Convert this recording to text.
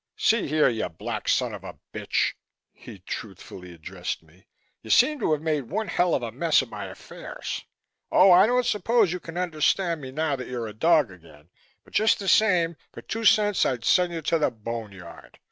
"See here, you black son of a bitch," he truthfully addressed me. "You seem to have made one hell of a mess of my affairs. Oh, I don't suppose you can understand me now that you're a dog again, but just the same, for two cents I'd send you to the boneyard.